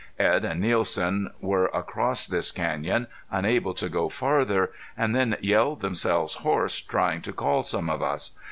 Edd and Nielsen were across this canyon, unable to go farther, and then yelled themselves hoarse, trying to call some of us.